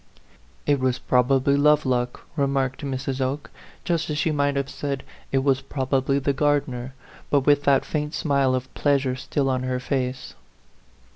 "It was probably Lovelock," remarked Mrs. Oke, just as she might have said, " It was probably the gardener," but with that faint smile of pleasure still in her face.